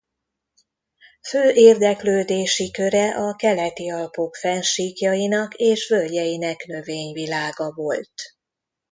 Fő érdeklődési köre a Keleti-Alpok fennsíkjainak és völgyeinek növényvilága volt.